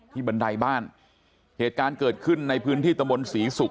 บันไดบ้านเหตุการณ์เกิดขึ้นในพื้นที่ตะบนศรีศุกร์